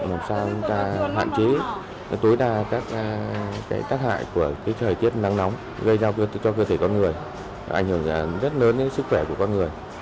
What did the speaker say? làm sao chúng ta hạn chế tối đa các tác hại của thời tiết nắng nóng gây ra cho cơ thể con người ảnh hưởng rất lớn đến sức khỏe của con người